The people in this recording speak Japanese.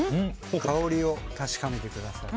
香りを確かめてください。